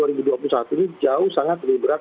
dua ribu dua puluh satu ini jauh sangat lebih berat